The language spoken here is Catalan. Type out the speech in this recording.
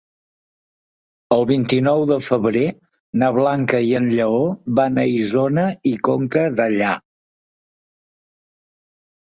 El vint-i-nou de febrer na Blanca i en Lleó van a Isona i Conca Dellà.